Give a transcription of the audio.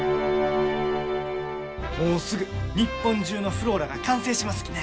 もうすぐ日本中のｆｌｏｒａが完成しますきね。